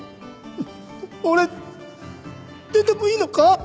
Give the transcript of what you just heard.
俺出てもいいのか？